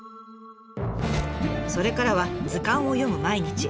それからは図鑑を読む毎日。